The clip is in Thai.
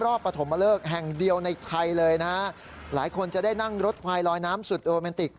ปฐมเลิกแห่งเดียวในไทยเลยนะฮะหลายคนจะได้นั่งรถไฟลอยน้ำสุดโรแมนติก